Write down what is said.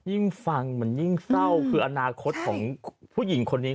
ยิ่งฟังมันยิ่งเศร้าคืออนาคตของผู้หญิงคนนี้